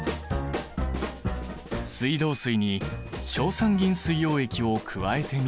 水道水に硝酸銀水溶液を加えてみると。